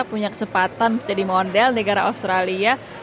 punya kesempatan jadi model negara australia